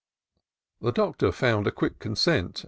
The Doctor found a quick consent.